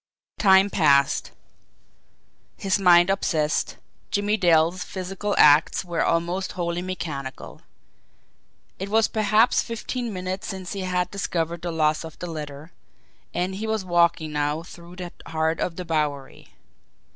Time passed. His mind obsessed, Jimmie Dale's physical acts were almost wholly mechanical. It was perhaps fifteen minutes since he had discovered the loss of the letter, and he was walking now through the heart of the Bowery.